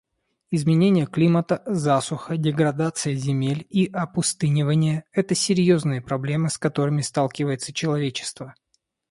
Изменение климата, засуха, деградация земель и опустынивание — это серьезные проблемы, с которыми сталкивается человечество.